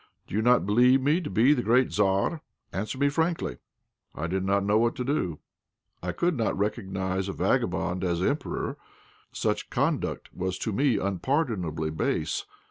"Do you not believe me to be the great Tzar? Answer me frankly." I did not know what to do. I could not recognize a vagabond as Emperor; such conduct was to me unpardonably base.